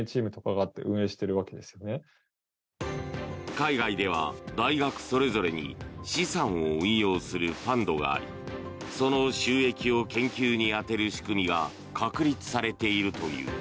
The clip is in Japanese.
海外では大学それぞれに資産を運用するファンドがありその収益を研究に充てる仕組みが確立されているという。